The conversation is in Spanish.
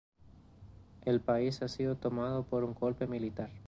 El país ha sido tomado por un golpe militar.